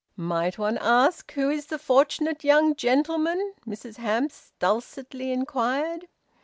"Might one ask who is the fortunate young gentleman?" Mrs Hamps dulcetly inquired.